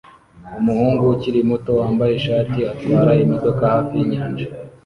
Umuhungu ukiri muto wambaye ishati atwara imodoka hafi yinyanja